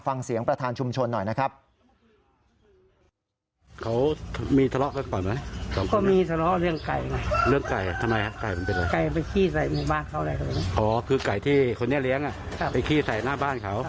ฟังเสียงประธานชุมชนหน่อยนะครับ